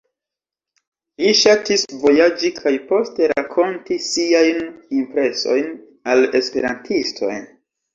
Li ŝatis vojaĝi kaj poste rakonti siajn impresojn al esperantistoj.